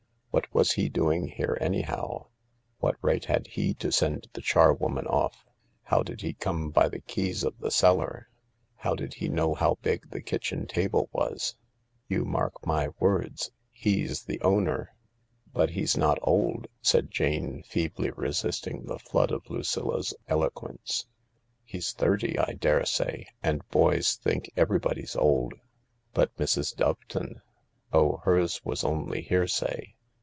What was he doing here, anyhow ? What right had he to send the char woman off ? How did he come by the keys of the cellar ? How did he know how big the kitchen table was ? You mark my words. He's the owner. ../' THE LARK " But he's not old," said Jane, feebly resisting the flood of Lucilla's eloquence. "He's thirty, I daresay— and boys think everybody's old/' " But Mrs. Doveton ?" "Oh, hers was only hearsay.